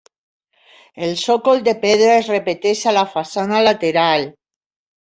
El sòcol de pedra es repeteix a la façana lateral.